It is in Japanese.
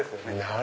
何？